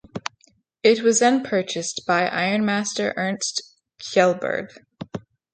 It was then purchased by Ironmaster Ernst Kjellberg.